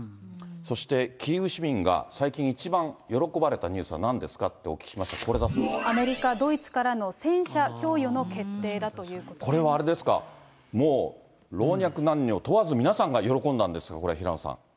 そして、キーウ市民が最近一番喜ばれたニュースはなんですかとお聞きしまアメリカ、ドイツからの戦車これはあれですか、もう老若男女問わず、皆さんが喜んだんですか、これ、平野さん。